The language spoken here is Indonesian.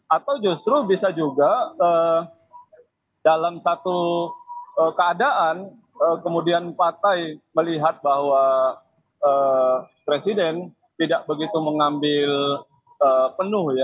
atau justru bisa juga dalam satu keadaan kemudian partai melihat bahwa presiden tidak begitu mengambil penuh ya